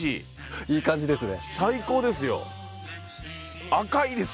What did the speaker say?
いい感じですね。